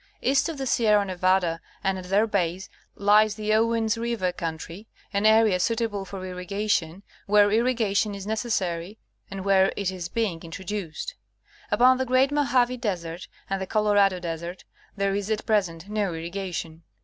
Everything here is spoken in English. East of the Sierra Nevada, and at their base, lies the Owen's river country, an area suitable for irrigation, where irrigation is necessary and where it is being introduced. Upon the great Mojave desert and the Colorado desert, there is at present no irrigation.